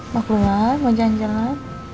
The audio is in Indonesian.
mau keluar mau janjalan